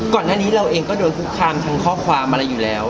ก่อนหน้านี้เราเองก็โดนคุกคามทางข้อความอะไรอยู่แล้ว